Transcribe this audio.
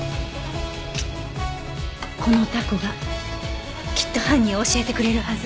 このタコがきっと犯人を教えてくれるはず。